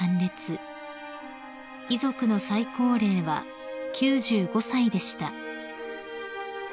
［遺族の最高齢は９５歳でした］